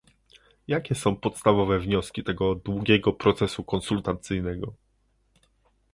Jakie są podstawowe wnioski tego długiego procesu konsultacyjnego?